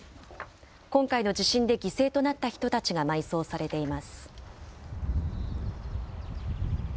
今回の地震で犠牲となった人たちが埋葬されています。